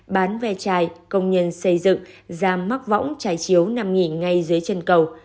bán ve chai công nhân xây dựng giam mắc võng chai chiếu nằm nghỉ ngay dưới chân cầu